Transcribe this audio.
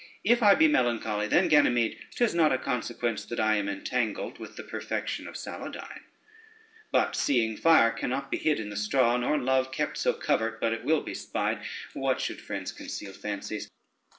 If I be melancholy, then, Ganymede, 'tis not a consequence that I am entangled with the perfection of Saladyne. But seeing fire cannot be hid in the straw, nor love kept so covert but it will be spied, what should friends conceal fancies?